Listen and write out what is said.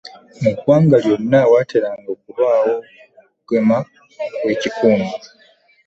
Mu ggwanga lyonna watera okubaawo okugema okw'ekikungo.